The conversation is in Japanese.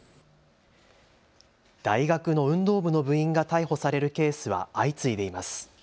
大学の運動部の部員が逮捕されるケースは相次いでいます。